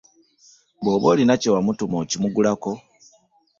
Bwoba olina kyewamutuma okimugulakao .